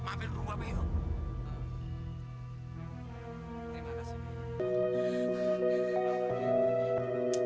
mampir rumah bape yuk